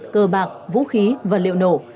cơ bạc vũ khí và liệu nổ